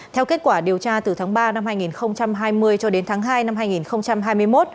theo kết quả điều tra từ tháng ba năm hai nghìn hai mươi cho đến tháng hai năm hai nghìn hai mươi một